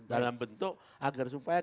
dalam bentuk agar supaya